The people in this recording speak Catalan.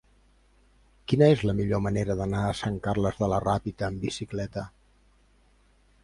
Quina és la millor manera d'anar a Sant Carles de la Ràpita amb bicicleta?